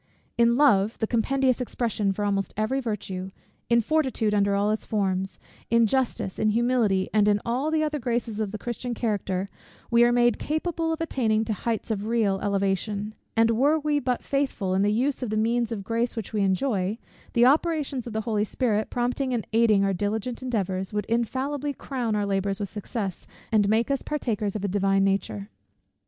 In love, the compendious expression for almost every virtue, in fortitude under all its forms, in justice, in humility, and in all the other graces of the Christian character, we are made capable of attaining to heights of real elevation: and were we but faithful in the use of the means of grace which we enjoy; the operations of the Holy Spirit, prompting and aiding our diligent endeavours, would infallibly crown our labours with success, and make us partakers of a Divine nature.